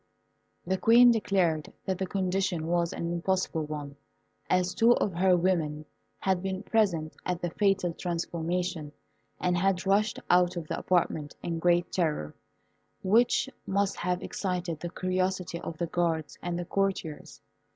The Queen declared that the condition was an impossible one, as two of her women had been present at the fatal transformation, and had rushed out of the apartment in great terror, which must have excited the curiosity of the guards and the courtiers.